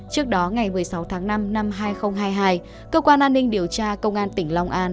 trước đó ngày một mươi sáu tháng năm năm hai nghìn hai mươi hai cơ quan an ninh điều tra công an tỉnh long an